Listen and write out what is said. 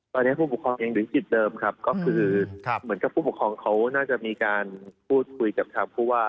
ตอนนี้ผู้ปกครองเองหรือจิตเดิมครับก็คือเหมือนกับผู้ปกครองเขาน่าจะมีการพูดคุยกับทางผู้ว่า